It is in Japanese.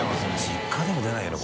実家でも出ないよね